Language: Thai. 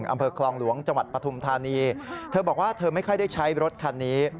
อำเภอคลองหลวงจังหวัดปฐุมธานีเธอบอกว่าเธอไม่ค่อยได้ใช้รถคันนี้